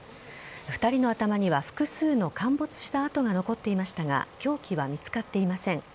２人の頭には複数の陥没した痕が残っていましたが凶器は見つかっていません。